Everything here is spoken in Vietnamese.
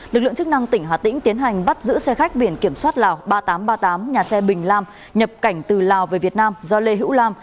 lực lượng chức năng tỉnh hà tĩnh tiến hành bắt giữ xe khách biển kiểm soát lào ba nghìn tám trăm ba mươi tám nhà xe bình lam nhập cảnh từ lào về việt nam do lê hữu lam